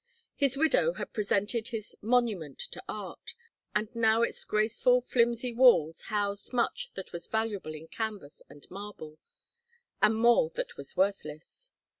His widow had presented his "monument" to Art, and now its graceful flimsy walls housed much that was valuable in canvas and marble, and more that was worthless.